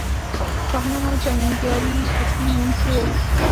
کاهنان او جنګیالي اصلي نیونکي وو.